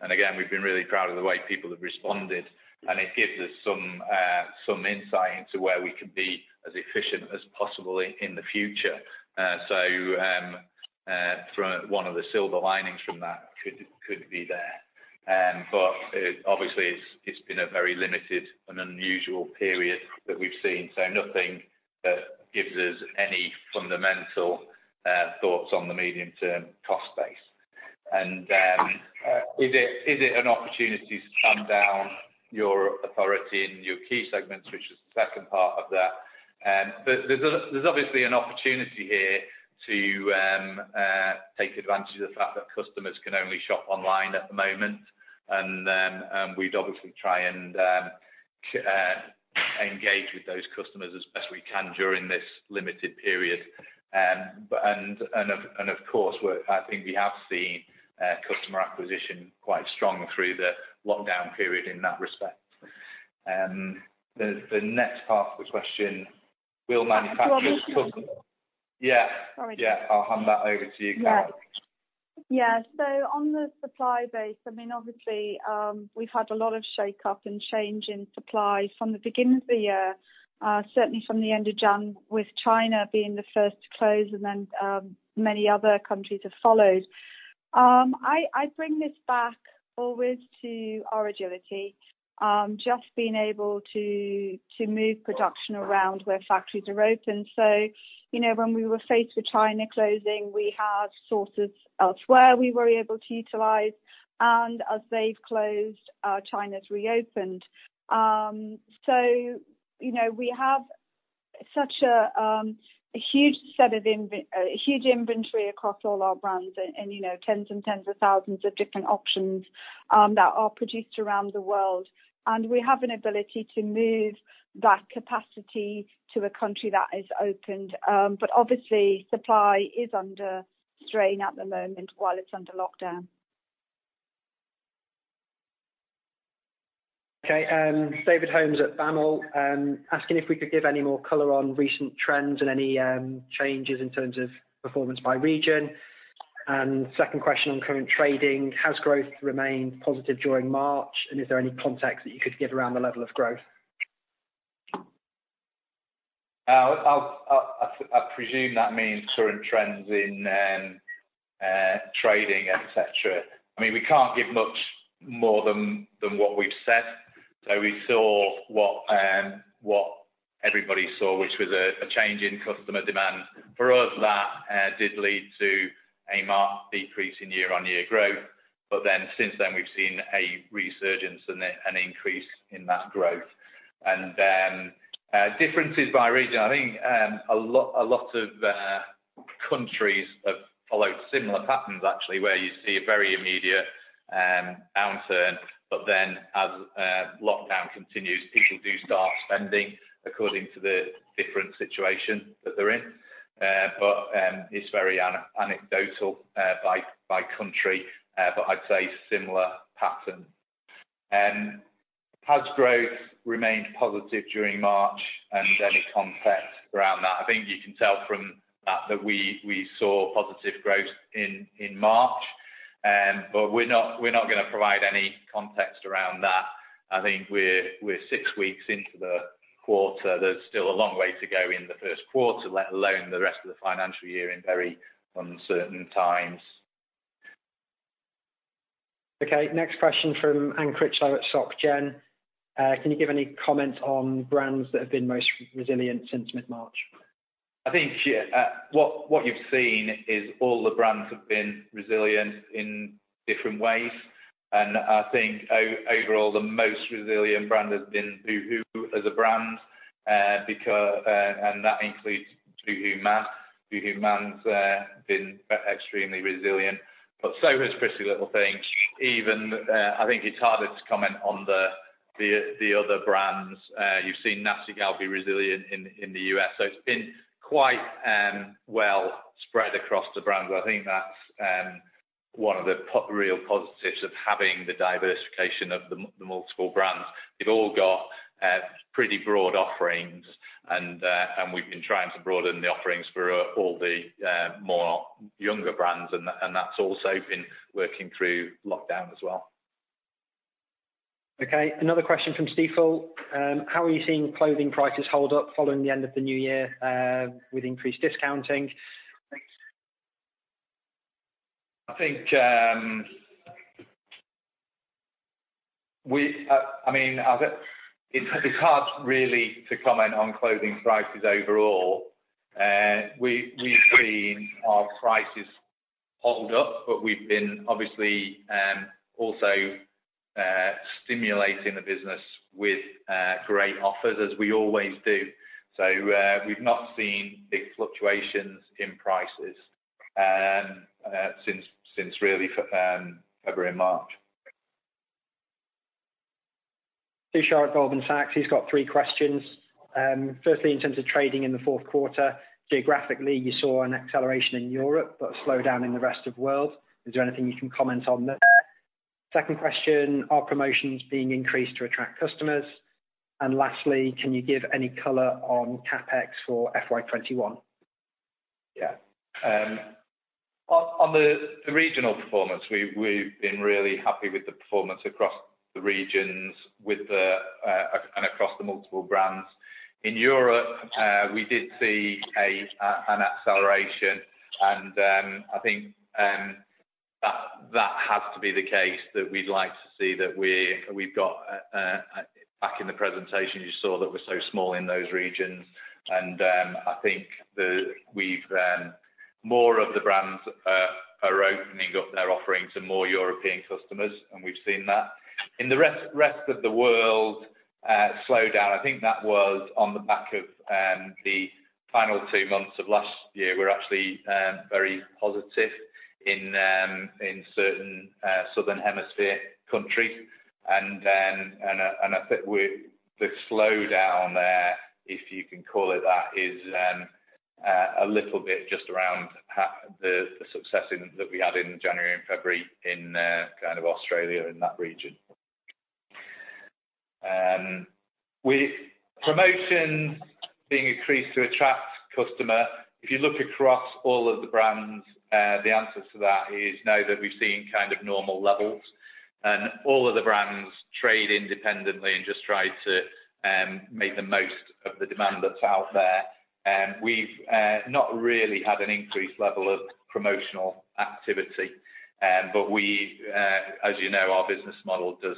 S2: And again, we've been really proud of the way people have responded, and it gives us some insight into where we can be as efficient as possible in the future. So one of the silver linings from that could be there. But obviously, it's been a very limited and unusual period that we've seen, so nothing that gives us any fundamental thoughts on the medium-term cost base. And is it an opportunity to stand down your authority in your key segments, which is the second part of that? But there's obviously an opportunity here to take advantage of the fact that customers can only shop online at the moment. And we'd obviously try and engage with those customers as best we can during this limited period. And of course, I think we have seen customer acquisition quite strong through the lockdown period in that respect. The next part of the question, will manufacturers come? Yeah.
S1: Sorry.
S2: Yeah, I'll hand that over to you, Carol.
S1: Yeah, so on the supply base, I mean, obviously, we've had a lot of shake-up and change in supply from the beginning of the year, certainly from the end of June, with China being the first to close, and then many other countries have followed. I bring this back always to our agility, just being able to move production around where factories are open. So when we were faced with China closing, we had sources elsewhere we were able to utilize. And as they've closed, China's reopened. So we have such a huge set of huge inventory across all our brands and tens and tens of thousands of different options that are produced around the world. And we have an ability to move that capacity to a country that is opened. But obviously, supply is under strain at the moment while it's under lockdown.
S3: Okay, David Holmes at BAML, asking if we could give any more color on recent trends and any changes in terms of performance by region. And second question on current trading, has growth remained positive during March, and is there any context that you could give around the level of growth?
S2: I presume that means current trends in trading, etc. I mean, we can't give much more than what we've said. So we saw what everybody saw, which was a change in customer demand. For us, that did lead to a marked decrease in year-on-year growth. But then since then, we've seen a resurgence and an increase in that growth. And differences by region, I think a lot of countries have followed similar patterns, actually, where you see a very immediate downturn. But then as lockdown continues, people do start spending according to the different situation that they're in. But it's very anecdotal by country, but I'd say similar pattern. Has growth remained positive during March and any context around that? I think you can tell from that that we saw positive growth in March. But we're not going to provide any context around that. I think we're six weeks into the quarter. There's still a long way to go in the first quarter, let alone the rest of the financial year in very uncertain times.
S3: Okay, next question from Anne Critchlow at Soc Gen. Can you give any comments on brands that have been most resilient since mid-March?
S2: I think what you've seen is all the brands have been resilient in different ways. I think overall, the most resilient brand has been boohoo as a brand. And that includes boohooMAN. boohooMAN's been extremely resilient. But so has PrettyLittleThings. Even I think it's harder to comment on the other brands. You've seen Nasty Gal be resilient in the U.S. So it's been quite well spread across the brands. I think that's one of the real positives of having the diversification of the multiple brands. They've all got pretty broad offerings, and we've been trying to broaden the offerings for all the more younger brands. And that's also been working through lockdown as well.
S3: Okay, another question from Stifel. How are you seeing clothing prices hold up following the end of the new year with increased discounting?
S2: I think, I mean, it's hard really to comment on clothing prices overall. We've seen our prices hold up, but we've been obviously also stimulating the business with great offers, as we always do. So we've not seen big fluctuations in prices since really February and March.
S3: Tushar of Goldman Sachs, she's got three questions. Firstly, in terms of trading in the fourth quarter, geographically, you saw an acceleration in Europe but a slowdown in the rest of the world. Is there anything you can comment on there? Second question, are promotions being increased to attract customers? And lastly, can you give any color on CapEx for FY 2021? Yeah. On the regional performance, we've been really happy with the performance across the regions and across the multiple brands. In Europe, we did see an acceleration. And I think that has to be the case that we'd like to see that we've got back in the presentation, you saw that we're so small in those regions. And I think more of the brands are opening up their offerings to more European customers, and we've seen that. In the rest of the world, slowdown, I think that was on the back of the final two months of last year. We're actually very positive in certain southern hemisphere countries. And I think the slowdown there, if you can call it that, is a little bit just around the success that we had in January and February in kind of Australia in that region. Promotions being increased to attract customers. If you look across all of the brands, the answer to that is no, that we've seen kind of normal levels. And all of the brands trade independently and just try to make the most of the demand that's out there. We've not really had an increased level of promotional activity. But as you know, our business model does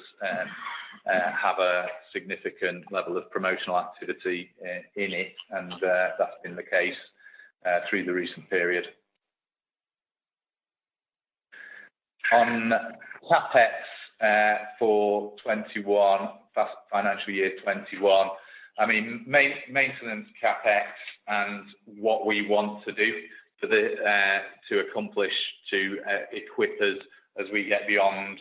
S3: have a significant level of promotional activity in it, and that's been the case through the recent period. On CapEx for financial year 2021, I mean, maintenance CapEx and what we want to do to accomplish to equip us as we get beyond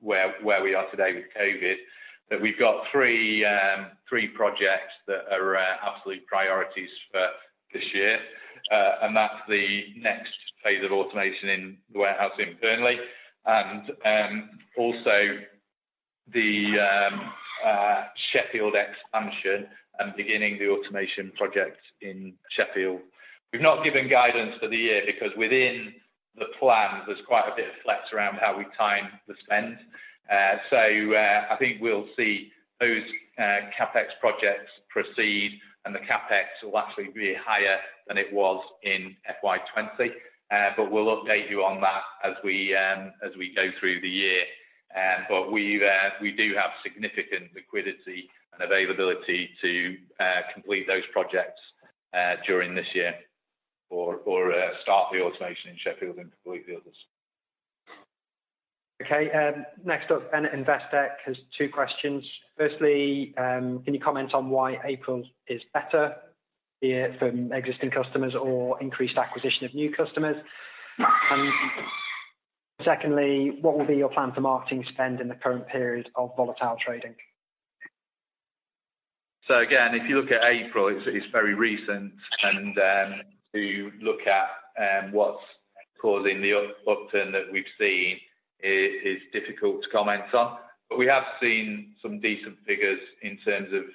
S3: where we are today with COVID. But we've got three projects that are absolute priorities for this year. That's the next phase of automation in the warehouse internally. Also the Sheffield expansion and beginning the automation project in Sheffield. We've not given guidance for the year because within the plan, there's quite a bit of flex around how we time the spend. I think we'll see those CapEx projects proceed, and the CapEx will actually be higher than it was in FY 2020. We'll update you on that as we go through the year. We do have significant liquidity and availability to complete those projects during this year or start the automation in Sheffield and complete the others. Okay, next up, Ben at Investec has two questions. Firstly, can you comment on why April is better, be it from existing customers or increased acquisition of new customers? And secondly, what will be your plan for marketing spend in the current period of volatile trading? So again, if you look at April, it's very recent. And to look at what's causing the upturn that we've seen is difficult to comment on. But we have seen some decent figures in terms of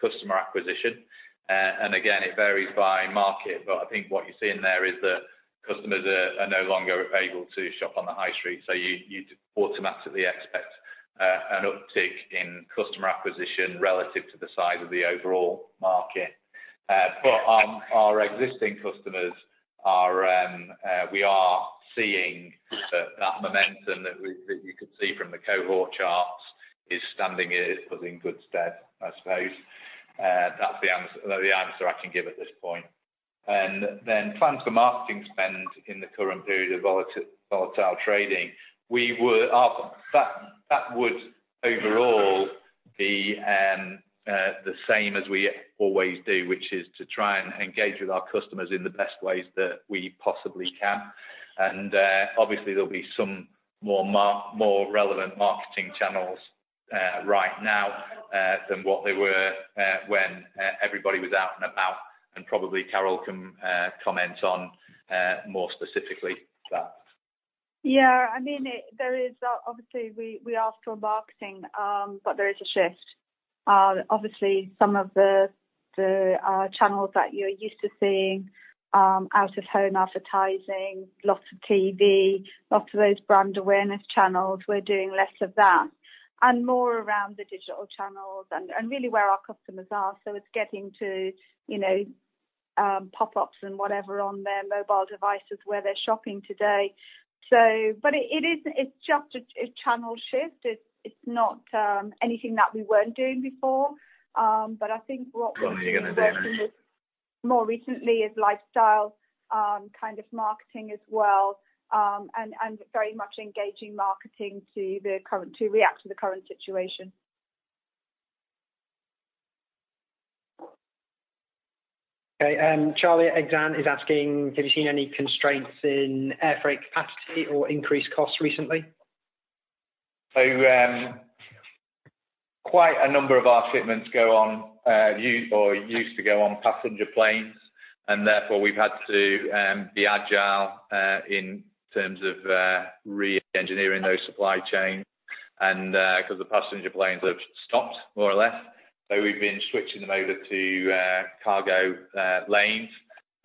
S3: customer acquisition. And again, it varies by market. But I think what you're seeing there is that customers are no longer able to shop on the high street. So you'd automatically expect an uptick in customer acquisition relative to the size of the overall market. But our existing customers, we are seeing that momentum that you could see from the cohort charts is standing it was in good stead, I suppose. That's the answer I can give at this point. And then plans for marketing spend in the current period of volatile trading, that would overall be the same as we always do, which is to try and engage with our customers in the best ways that we possibly can. And obviously, there'll be some more relevant marketing channels right now than what there were when everybody was out and about. And probably Carol can comment on more specifically that.
S1: Yeah, I mean, there is obviously we are still marketing, but there is a shift. Obviously, some of the channels that you're used to seeing, out-of-home advertising, lots of TV, lots of those brand awareness channels, we're doing less of that and more around the digital channels and really where our customers are. So it's getting to pop-ups and whatever on their mobile devices where they're shopping today. But it's just a channel shift. It's not anything that we weren't doing before. But I think what we're working with more recently is lifestyle kind of marketing as well and very much engaging marketing to react to the current situation.
S3: Okay, Charlie of Exane is asking, have you seen any constraints in airfreight capacity or increased costs recently?
S2: So quite a number of our shipments go on or used to go on passenger planes. And therefore, we've had to be agile in terms of re-engineering those supply chains because the passenger planes have stopped more or less. So we've been switching them over to cargo lanes.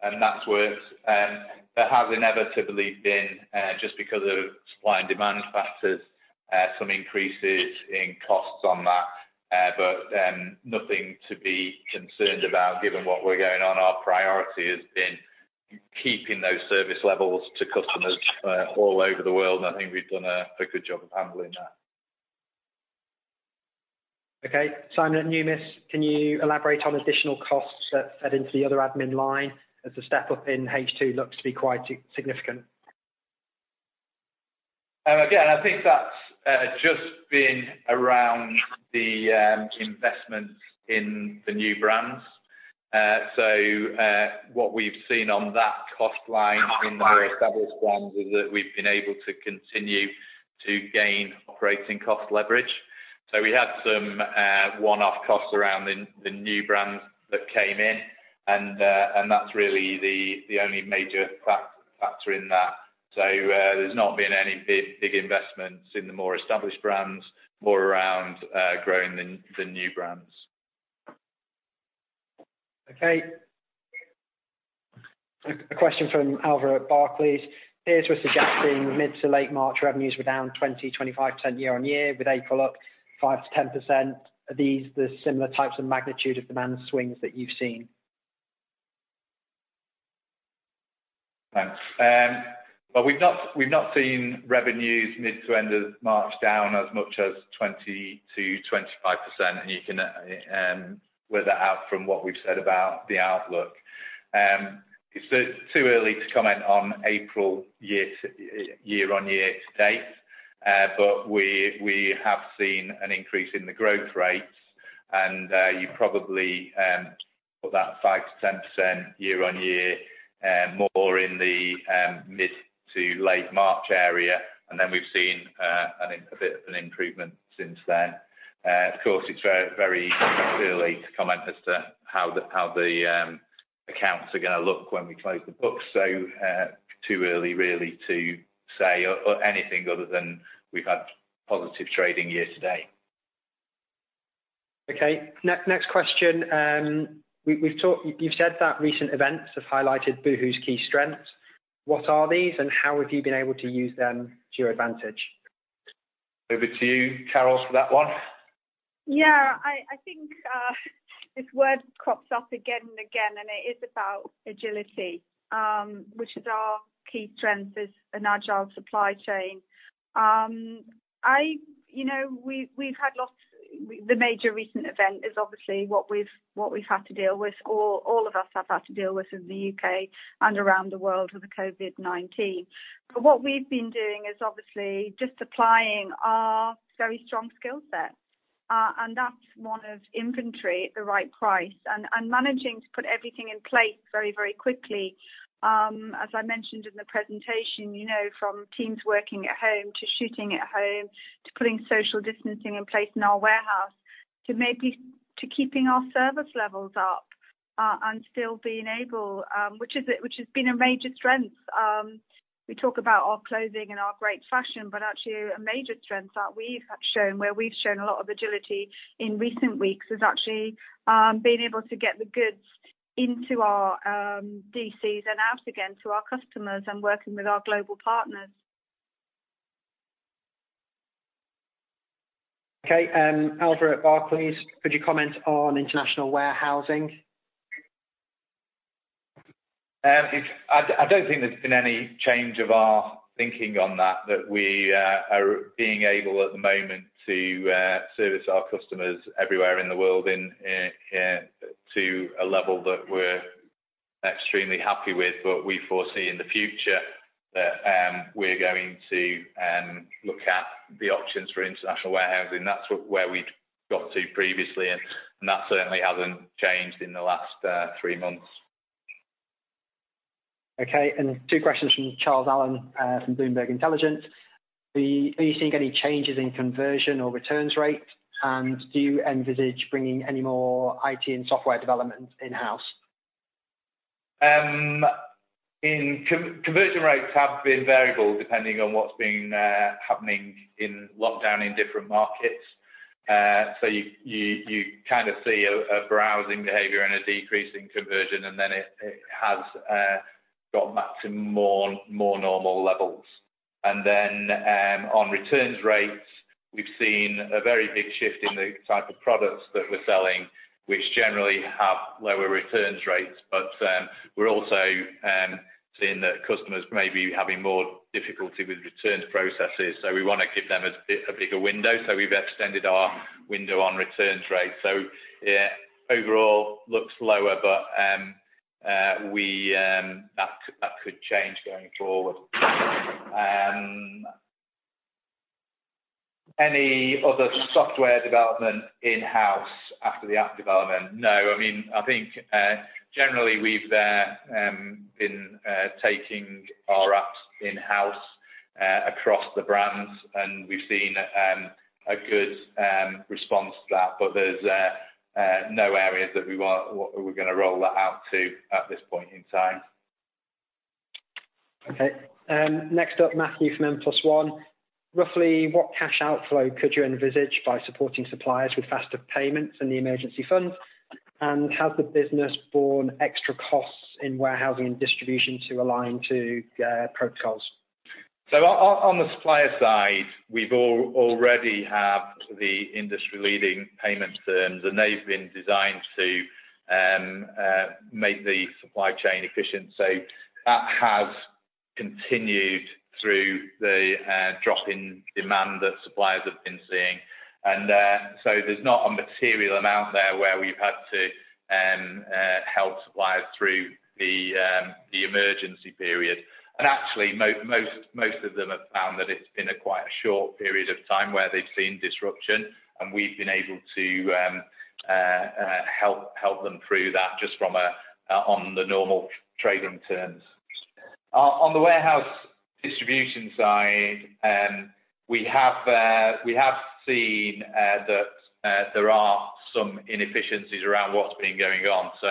S2: And that's worked. There has inevitably been, just because of supply and demand factors, some increases in costs on that. But nothing to be concerned about given what we're going on. Our priority has been keeping those service levels to customers all over the world. I think we've done a good job of handling that.
S3: Okay, Simon at Numis, can you elaborate on additional costs that fed into the other admin line as the step up in H2 looks to be quite significant?
S2: Again, I think that's just been around the investment in the new brands. So what we've seen on that cost line in the more established brands is that we've been able to continue to gain operating cost leverage. So we had some one-off costs around the new brands that came in. And that's really the only major factor in that. So there's not been any big investments in the more established brands, more around growing the new brands.
S3: Okay. A question from Alvaro at Barclays. Peers were suggesting mid to late March revenues were down 20%-25% year-on-year with April up 5%-10%. Are these the similar types of magnitude of demand swings that you've seen?
S2: Thanks. Well, we've not seen revenues mid to end of March down as much as 20%-25%. You can weather out from what we've said about the outlook. It's too early to comment on April year-on-year to date. We have seen an increase in the growth rates. You probably put that 5%-10% year-on-year more in the mid to late March area. Then we've seen a bit of an improvement since then. Of course, it's very early to comment as to how the accounts are going to look when we close the books. Too early really to say anything other than we've had positive trading year to date.
S3: Okay, next question. You've said that recent events have highlighted boohoo's key strengths. What are these, and how have you been able to use them to your advantage?
S2: Over to you, Carol, for that one.
S1: Yeah, I think this word crops up again and again, and it is about agility, which is our key strength is an agile supply chain. We've had lots of the major recent event is obviously what we've had to deal with. All of us have had to deal with in the U.K. and around the world with COVID-19. But what we've been doing is obviously just applying our very strong skill set. And that's one of inventory at the right price and managing to put everything in place very, very quickly. As I mentioned in the presentation, from teams working at home to shooting at home to putting social distancing in place in our warehouse to keeping our service levels up and still being able, which has been a major strength. We talk about our clothing and our great fashion, but actually a major strength that we've shown, where we've shown a lot of agility in recent weeks, is actually being able to get the goods into our DCs and out again to our customers and working with our global partners.
S3: Okay, Alvaro at Barclays, could you comment on international warehousing?
S2: I don't think there's been any change of our thinking on that, that we are being able at the moment to service our customers everywhere in the world to a level that we're extremely happy with. But we foresee in the future that we're going to look at the options for international warehousing. That's where we got to previously. And that certainly hasn't changed in the last three months.
S3: Okay, and two questions from Charles Allen from Bloomberg Intelligence. Are you seeing any changes in conversion or returns rates? And do you envisage bringing any more IT and software development in-house?
S2: Conversion rates have been variable depending on what's been happening in lockdown in different markets. So you kind of see a browsing behavior and a decrease in conversion, and then it has gotten back to more normal levels. And then on returns rates, we've seen a very big shift in the type of products that we're selling, which generally have lower returns rates. But we're also seeing that customers may be having more difficulty with returns processes. So we want to give them a bigger window. So we've extended our window on returns rates. So overall looks lower, but that could change going forward. Any other software development in-house after the app development? No. I mean, I think generally we've been taking our apps in-house across the brands, and we've seen a good response to that. But there's no areas that we're going to roll that out to at this point in time.
S3: Okay, next up, Matthew from N+1. Roughly what cash outflow could you envisage by supporting suppliers with faster payments and the emergency funds? And has the business borne extra costs in warehousing and distribution to align to protocols?
S2: So on the supplier side, we already have the industry-leading payment terms, and they've been designed to make the supply chain efficient. So that has continued through the drop in demand that suppliers have been seeing. So there's not a material amount there where we've had to help suppliers through the emergency period. Actually, most of them have found that it's been quite a short period of time where they've seen disruption. And we've been able to help them through that just from the normal trading terms. On the warehouse distribution side, we have seen that there are some inefficiencies around what's been going on. So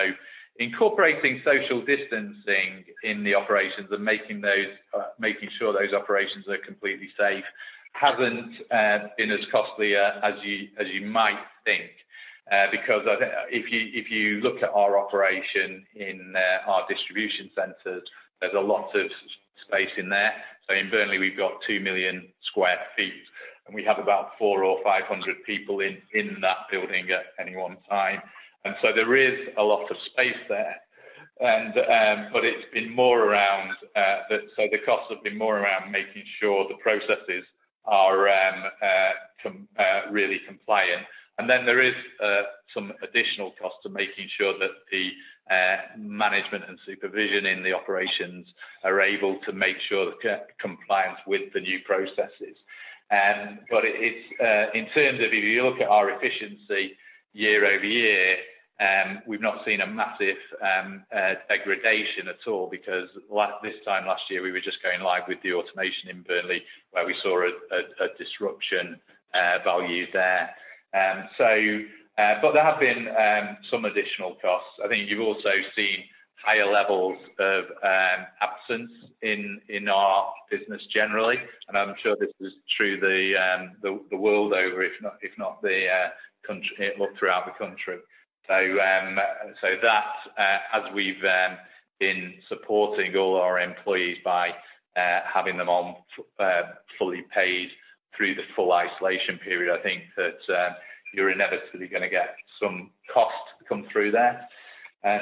S2: incorporating social distancing in the operations and making sure those operations are completely safe hasn't been as costly as you might think. Because if you look at our operation in our distribution centers, there's a lot of space in there. So in Burnley, we've got 2 million sq ft. And we have about 400 or 500 people in that building at any one time. And so there is a lot of space there. But it's been more around so the costs have been more around making sure the processes are really compliant. And then there is some additional cost to making sure that the management and supervision in the operations are able to make sure the compliance with the new processes. But in terms of if you look at our efficiency year-over-year, we've not seen a massive degradation at all because this time last year we were just going live with the automation in Burnley where we saw a disruption value there. But there have been some additional costs. I think you've also seen higher levels of absence in our business generally. And I'm sure this is true the world over, if not throughout the country. So that, as we've been supporting all our employees by having them fully paid through the full isolation period, I think that you're inevitably going to get some cost to come through there. I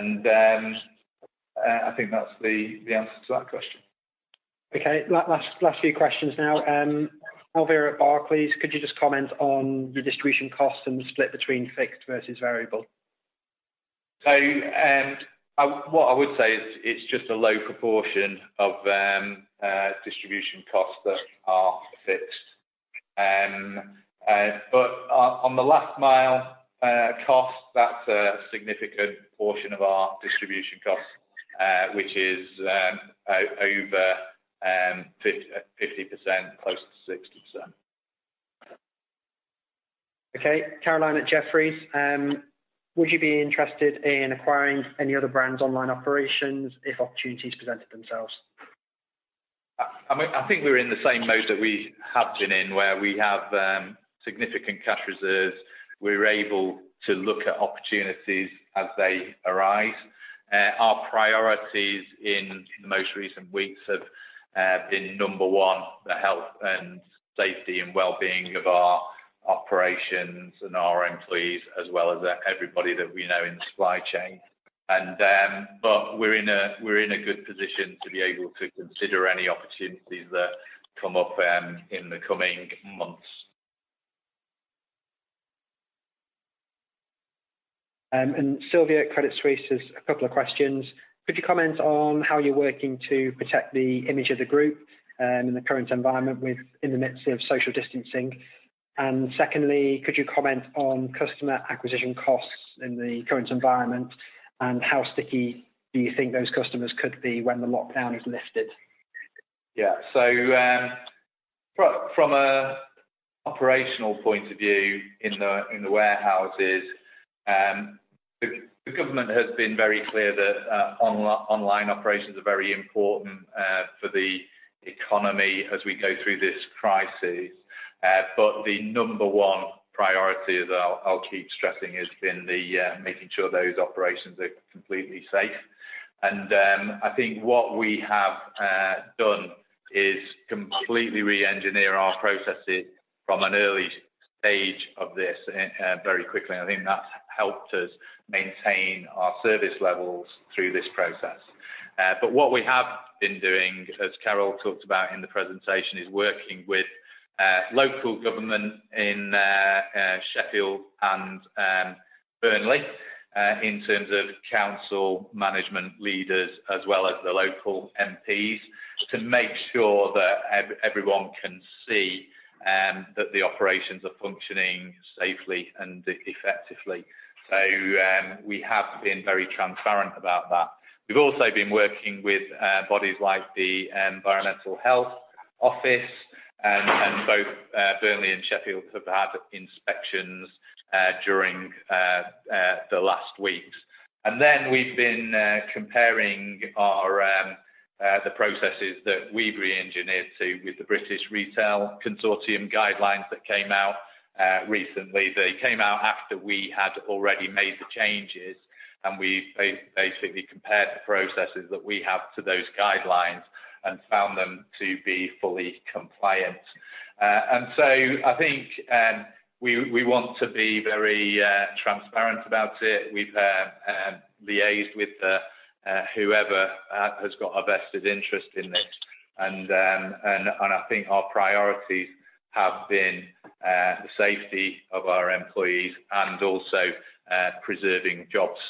S2: think that's the answer to that question.
S3: Okay, last few questions now. Alvaro at Barclays, could you just comment on the distribution costs and the split between fixed versus variable?
S2: What I would say is it's just a low proportion of distribution costs that are fixed. But on the last-mile cost, that's a significant portion of our distribution costs, which is over 50%, close to 60%.
S3: Okay, Caroline at Jefferies, would you be interested in acquiring any other brands' online operations if opportunities presented themselves?
S2: I think we're in the same mode that we have been in where we have significant cash reserves. We're able to look at opportunities as they arise. Our priorities in the most recent weeks have been number one, the health and safety and well-being of our operations and our employees, as well as everybody that we know in the supply chain. But we're in a good position to be able to consider any opportunities that come up in the coming months.
S3: And Sylvie at Credit Suisse has a couple of questions. Could you comment on how you're working to protect the image of the group in the current environment in the midst of social distancing? And secondly, could you comment on customer acquisition costs in the current environment? And how sticky do you think those customers could be when the lockdown is lifted?
S2: Yeah, so from an operational point of view in the warehouses, the government has been very clear that online operations are very important for the economy as we go through this crisis. But the number one priority, as I'll keep stressing, has been making sure those operations are completely safe. And I think what we have done is completely re-engineer our processes from an early stage of this very quickly. And I think that's helped us maintain our service levels through this process. But what we have been doing, as Carol talked about in the presentation, is working with local government in Sheffield and Burnley in terms of council management leaders as well as the local MPs to make sure that everyone can see that the operations are functioning safely and effectively. So we have been very transparent about that. We've also been working with bodies like the Environmental Health Office, and both Burnley and Sheffield have had inspections during the last weeks. And then we've been comparing the processes that we've re-engineered to with the British Retail Consortium guidelines that came out recently. They came out after we had already made the changes. And we basically compared the processes that we have to those guidelines and found them to be fully compliant. And so I think we want to be very transparent about it. We've liaised with whoever has got a vested interest in this. And I think our priorities have been the safety of our employees and also preserving jobs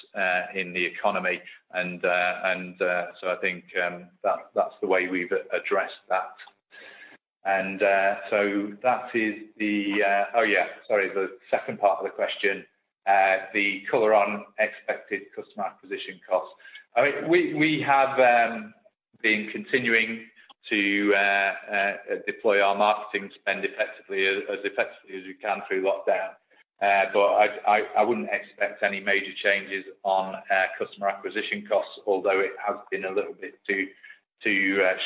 S2: in the economy. And so I think that's the way we've addressed that. And so that is the - oh yeah, sorry, the second part of the question, the color on expected customer acquisition costs. We have been continuing to deploy our marketing spend as effectively as we can through lockdown. But I wouldn't expect any major changes on customer acquisition costs, although it has been a little bit too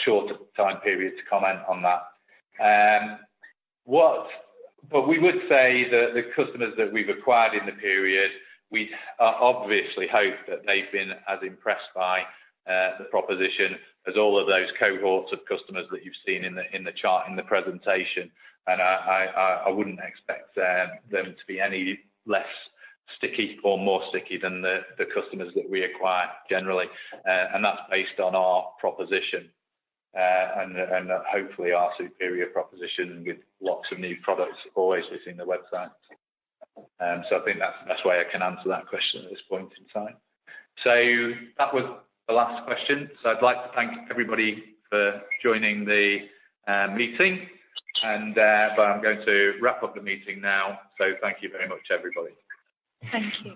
S2: short a time period to comment on that. But we would say that the customers that we've acquired in the period, we obviously hope that they've been as impressed by the proposition as all of those cohorts of customers that you've seen in the chart in the presentation. And I wouldn't expect them to be any less sticky or more sticky than the customers that we acquire generally. And that's based on our proposition and hopefully our superior proposition with lots of new products always within the website. So I think that's the best way I can answer that question at this point in time. So that was the last question. So I'd like to thank everybody for joining the meeting. But I'm going to wrap up the meeting now. Thank you very much, everybody.
S1: Thank you.